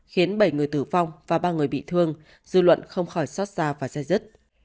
khiến bảy người tử vong và ba người bị thương dư luận không khỏi xót xa và xe dứt